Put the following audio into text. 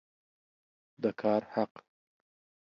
د کار حق